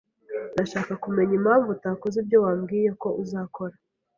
Ndashaka kumenya impamvu utakoze ibyo wambwiye ko uzakora.